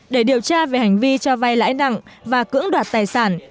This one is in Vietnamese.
để điều tra về hành vi cho vay lãi nặng và cưỡng đoạt tài sản